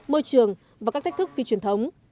môi trường và các thách thức phi truyền thống